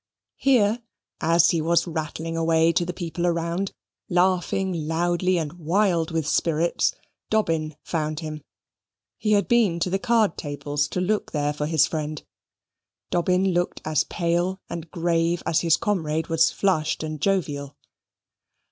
Here, as he was rattling away to the people around, laughing loudly and wild with spirits, Dobbin found him. He had been to the card tables to look there for his friend. Dobbin looked as pale and grave as his comrade was flushed and jovial.